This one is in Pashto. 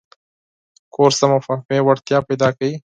کورس د مفاهمې وړتیا پیدا کوي.